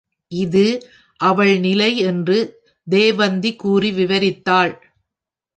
இது அவள் நிலை என்று தேவந்தி கூறி விவரித்தாள்.